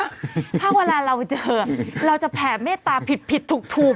ถ้าเวลาเราเจอเราจะแผ่เมตตาผิดผิดถูก